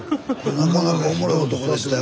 なかなかおもろい男でしたよ